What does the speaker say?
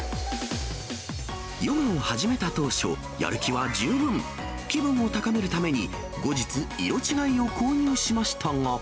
ヨガを始めた当初、やる気は十分、気分を高めるために、後日、色違いを購入しましたが。